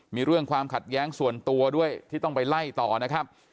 มีเรื่องความขัดแย้งส่วนตัวด้วยที่ต้องไปไล่ต่อนะครับ